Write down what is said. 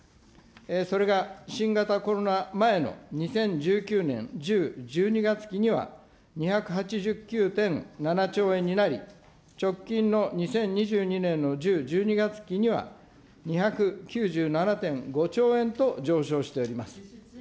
それが新型コロナ前の２０１９年１０ー１２月期には、２８９．７兆円になり、直近の２０２２年の１０ー１２月期には、２９７．５兆円と上昇しております。